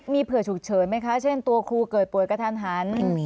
มีเผื่อฉุกเฉินไหมคะเช่นตัวครูเกิดป่วยกระทันหัน